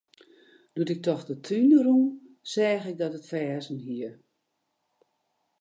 Doe't ik troch de tún rûn, seach ik dat it ferzen hie.